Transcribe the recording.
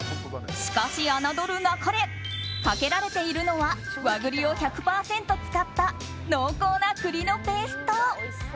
しかし、侮るなかれかけられているのは和栗を１００％使った濃厚な栗のペースト。